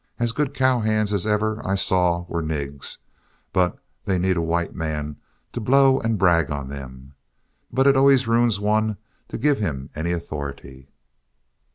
As good cowhands as ever I saw were nigs, but they need a white man to blow and brag on them. But it always ruins one to give him any authority."